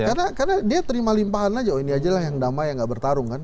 iya karena dia terima limpahan saja oh ini aja yang damai yang nggak bertarung kan